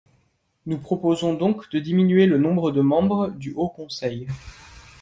Nous proposons donc de diminuer le nombre de membres du Haut conseil.